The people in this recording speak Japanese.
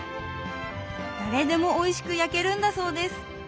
誰でもおいしく焼けるんだそうです。